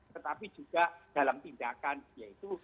tetapi juga dalam tindakan yaitu